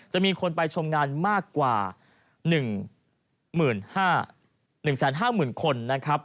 จะมีคนไปชมงานมากกว่า๑๕๐๐คน